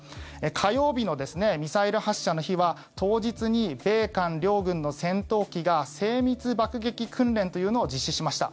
火曜日のミサイル発射の日は当日に米韓両軍の戦闘機が精密爆撃訓練というのを実施しました。